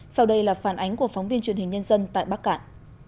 sau đây là phản ánh của phóng viên truyền hình nhân dân tại bắc cạn